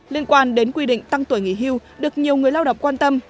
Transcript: liên quan đến quy định tăng tuổi nghỉ hưu được nhiều người lao động quan tâm